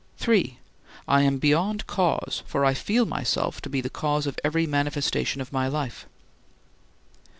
(3) I am beyond cause, for I feel myself to be the cause of every manifestation of my life.